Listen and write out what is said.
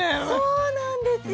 そうなんですよ。